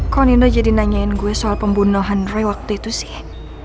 kok nino jadi nanyain gue soal pembunuhan roy waktu itu sih